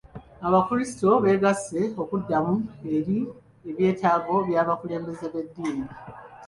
Abakulisitu begasse okuddamu eri ebyetaago by'abakulembeze b'eddiini.